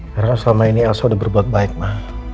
karena selama ini elsa udah berbuat baik ma